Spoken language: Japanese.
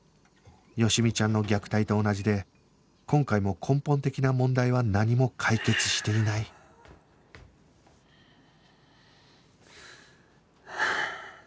好美ちゃんの虐待と同じで今回も根本的な問題は何も解決していないはあ。